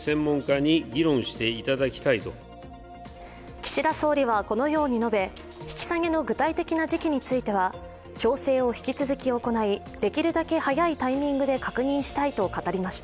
岸田総理はこのように述べ、引き下げの具体的な時期については調整を引き続き行いできるだけ早いタイミングで確認したいと語りました。